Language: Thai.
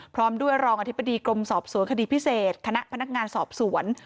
พร้อมด้วยรองอธิบดีกรมสอบสวนคดีพิเศษคณะพนักงานสอบสวน